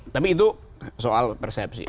tapi itu soal persepsi